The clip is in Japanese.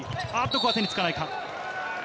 ここは手につかないか。